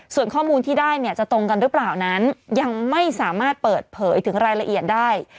ส่วนข้อมูลที่ได้เนี่ยจะตรงกันหรือเปล่านั้นยังไม่สามารถเปิดเผยถึงรายละเอียดได้